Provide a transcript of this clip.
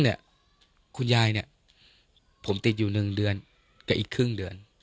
คุณยายเนี่ยผมติดอยู่๑เดือนกับอีกครึ่งเดือน